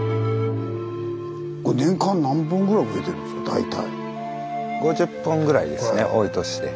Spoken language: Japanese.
大体。